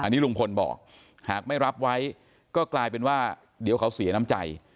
อันนี้ลุงพลบอกหากไม่รับไว้ก็กลายเป็นว่าเดี๋ยวเขาเสียน้ำใจ